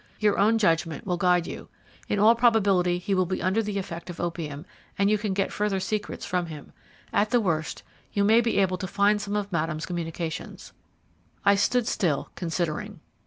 Your own judgment will guide you. In all probability he will be under the effect of opium, and you can get further secrets from him. At the worst you may be able to find some of Madame's communications." I stood still, considering.